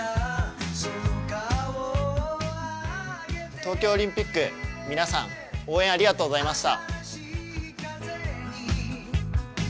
東京オリンピック、皆さん応援ありがとうございました。